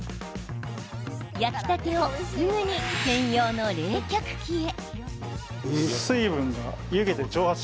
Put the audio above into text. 焼きたてをすぐに専用の冷却機へ。